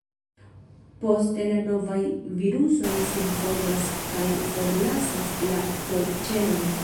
Poste novaj virusoj sin formas kaj forlasas la T-ĉelon.